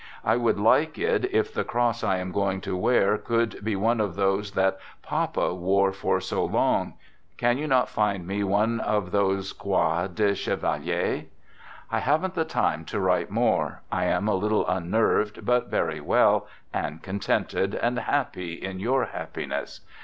I would like it if the cross I am going to wear could be one of those that Papa wore for so long; can you not find me one of those croix de chevalier ? I haven't the time to write more. I am a little unnerved, but very well, and contented, and happy in your happiness.